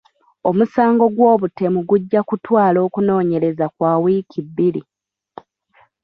Omusango gw'obutemu gujja kutwala okunoonyereza kwa wiiki bbiri.